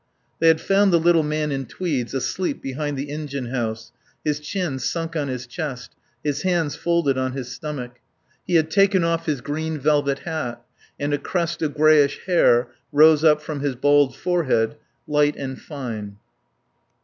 They had found the little man in tweeds asleep behind the engine house, his chin sunk on his chest, his hands folded on his stomach. He had taken off his green velvet hat, and a crest of greyish hair rose up from his bald forehead, light and fine.